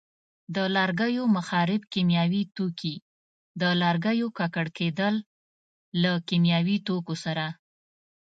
د لرګیو مخرب کیمیاوي توکي: د لرګیو ککړ کېدل له کیمیاوي توکو سره.